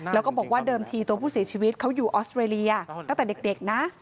แล้วก็บอกว่าเดิมทีตัวผู้เสียชีวิตเขาอยู่ออสเตรเลียตั้งแต่เด็กนะ